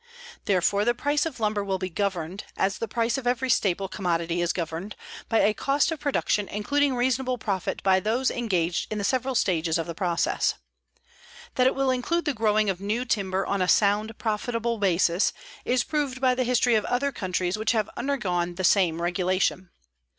Therefore, the price of lumber will be governed, as the price of every staple commodity is governed, by a cost of production including reasonable profit by those engaged in the several stages of the process. That it will include the growing of new timber on a sound, profitable basis is proved by the history of other countries which have undergone the same regulation.